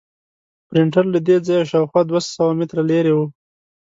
پرنټر له دې ځایه شاوخوا دوه سوه متره لرې و.